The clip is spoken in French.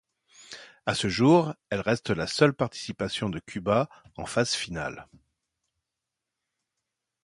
À ce jour, elle reste la seule participation de Cuba en phase finale.